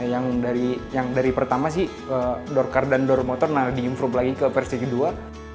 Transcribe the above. yang dari pertama sih door car dan door motor di info lagi ke versi kedua